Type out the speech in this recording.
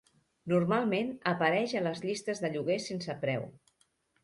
Normalment apareix a les llistes de lloguer sense preu.